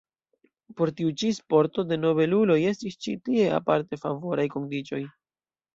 Por tiu ĉi sporto de nobeluloj estis ĉi tie aparte favoraj kondiĉoj.